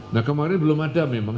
nah kemarin belum ada memang